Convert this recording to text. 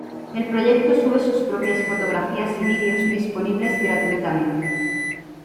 El proyecto sube sus propias fotografías y videos, disponibles gratuitamente.